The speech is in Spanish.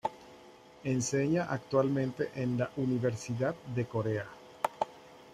Enseña actualmente en la Universidad de Corea.